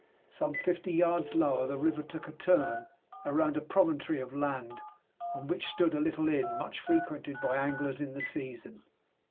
Some fifty yards lower, the river took a turn round a promontory of land, on which stood a little inn much frequented by anglers in the season.